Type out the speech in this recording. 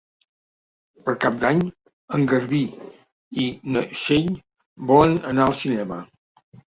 Per Cap d'Any en Garbí i na Txell volen anar al cinema.